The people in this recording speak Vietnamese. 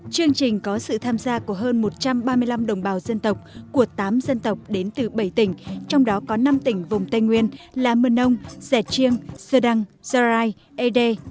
chương trình có sự tham gia của hơn một trăm ba mươi năm đồng bào dân tộc của tám dân tộc đến từ bảy tỉnh trong đó có năm tỉnh vùng tây nguyên là mân âu sẻ chiêng sơ đăng giờ rai ê đê